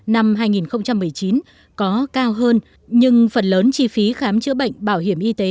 năm hai nghìn một mươi chín có cao hơn nhưng phần lớn chi phí khám chữa bệnh bảo hiểm y tế